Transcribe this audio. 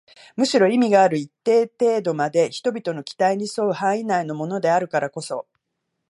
むしろ意味がある一定程度まで人々の期待に添う範囲内のものであるからこそ